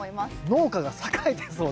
農家が栄えてそうな。